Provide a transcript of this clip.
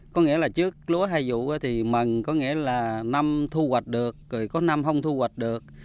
có nghĩa là trước lúa hai vụ thì mần có nghĩa là năm thu hoạch được rồi có năm không thu hoạch được